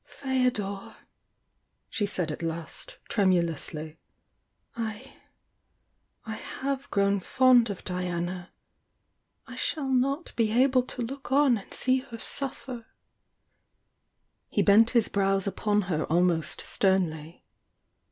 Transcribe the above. "Feodor," she said at last tremulously— "I— I THE YOUNG DIANA 198 have grown fond of Diana. I shall not be able to look on and see her suffer!" He bent his brows upon her almost sternly.